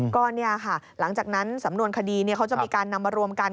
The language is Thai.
ก็เนี่ยค่ะหลังจากนั้นสำนวนคดีเขาจะมีการนำมารวมกัน